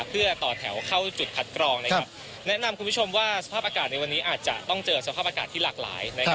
เพื่อต่อแถวเข้าจุดคัดกรองนะครับแนะนำคุณผู้ชมว่าสภาพอากาศในวันนี้อาจจะต้องเจอสภาพอากาศที่หลากหลายนะครับ